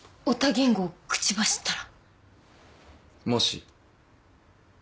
言語を口走ったら。